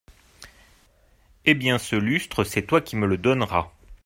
Eh ! bien, ce lustre, c’est toi qui me le donneras.